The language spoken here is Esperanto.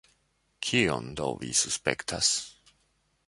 Kion do vi suspektas?